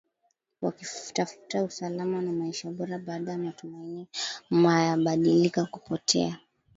wakitafuta usalama na maisha bora baada ya matumaini ma ya mabadiliko kupotea